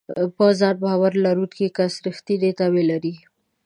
په ځان باور لرونکی کس رېښتینې تمې لري.